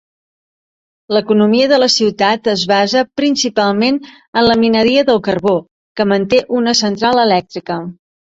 L'economia de la ciutat es basa principalment en la mineria del carbó, que manté una central elèctrica.